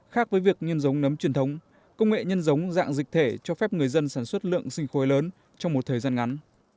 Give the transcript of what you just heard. khác với việc nhân giống nấm truyền thống công nghệ nhân giống dạng dịch thể cho phép người dân sản xuất lượng sinh khối lớn trong một thời gian ngắn